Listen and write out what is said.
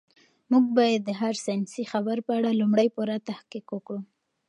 موږ باید د هر ساینسي خبر په اړه لومړی پوره تحقیق وکړو.